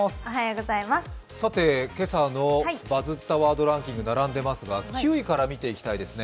さて、今朝の「バズったワードデイリーランキング」並んでいますが９位から見ていきたいですね。